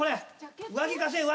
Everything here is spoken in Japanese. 上着貸せ。